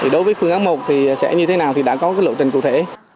đối với phương án một thì sẽ như thế nào thì đã có lộ trình cụ thể